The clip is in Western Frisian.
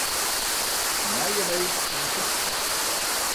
Nije mail oan Sytske.